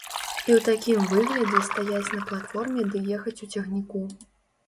І ў такім выглядзе стаяць на платформе ды ехаць у цягніку.